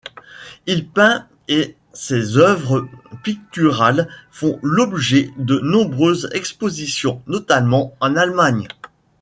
Il peint et ses œuvres picturales font l'objet de nombreuses expositions, notamment en Allemagne.